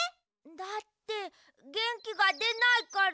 だってげんきがでないから。